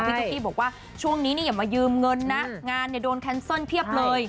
ตุ๊กกี้บอกว่าช่วงนี้อย่ามายืมเงินนะงานโดนแคนเซิลเพียบเลย